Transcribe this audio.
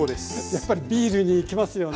やっぱりビールにいきますよね。